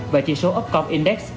và chỉ số upcom index